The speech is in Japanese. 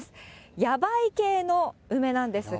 野梅系の梅なんですが。